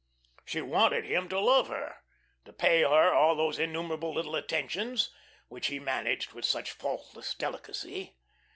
She wanted him to love her, to pay her all those innumerable little attentions which he managed with such faultless delicacy.